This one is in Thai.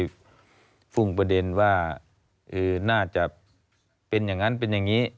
พุ่งประเด็นว่าน่าจะเป็นอย่างนั้นเป็นอย่างนี้